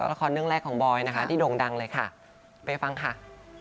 ราคาเรื่องแรกของบอยที่ดงดังเลยค่ะไปฟังค่ะ